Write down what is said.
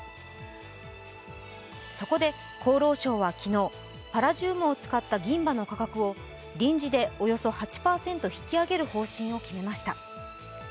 そこで厚労省は昨日、パラジウムを使った銀歯の価格を臨時でおよそ８％引き上げる方針を決めました。